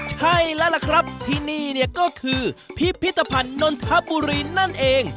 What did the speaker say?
ใช่แล้วล่ะครับที่นี่เนี่ยก็คือพิพิธภัณฑ์นนทบุรีนั่นเอง